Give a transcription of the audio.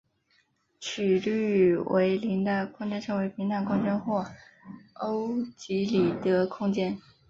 曲率为零的空间称为平坦空间或欧几里得空间。